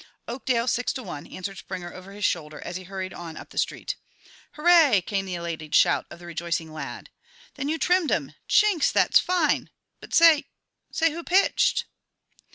"Oakdale, six to one," answered Springer over his shoulder as he hurried on up the street. "Hooray!" came the elated shout of the rejoicing lad. "Then you trimmed 'em! Jinks! that's fine. But, say say, who pitched?"